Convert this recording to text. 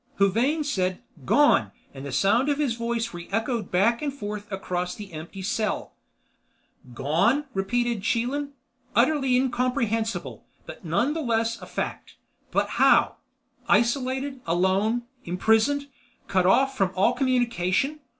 Huvane said, "Gone!" and the sound of his voice re echoed back and forth across the empty cell. "Gone," repeated Chelan. "Utterly incomprehensible, but none the less a fact. But how—? Isolated, alone, imprisoned—cut off from all communication.